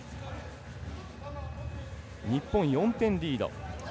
日本４点リード。